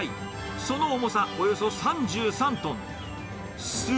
その重さおよそ３３トン。